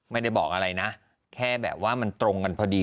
ไม่ได้บอกอะไรนะแค่แบบว่ามันตรงกันพอดี